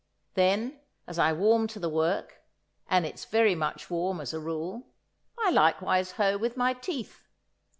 Then, as I warm to the work (and it's very much warm as a rule), I likewise hoe with my teeth.